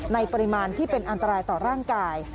ปริมาณที่เป็นอันตรายต่อร่างกาย